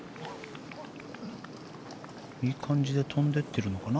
いい感じで飛んでってるのかな。